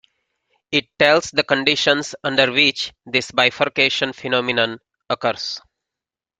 It tells the conditions under which this bifurcation phenomenon occurs.